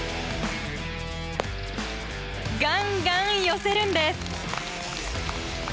ガンガン寄せるんです！